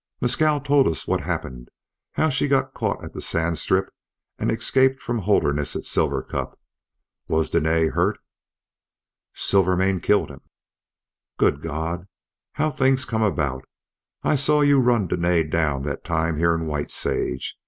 "Mescal told us what happened, how she got caught at the sand strip and escaped from Holderness at Silver Cup. Was Dene hurt?" "Silvermane killed him." "Good God! How things come about! I saw you run Dene down that time here in White Sage.